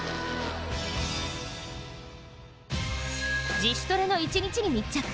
自主トレの１日に密着。